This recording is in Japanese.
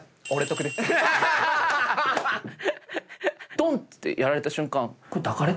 ドンってやられた瞬間。